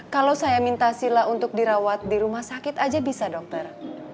kalau saya minta sila untuk dirawat di rumah sakit aja bisa dokter